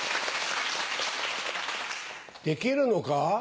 できるのか？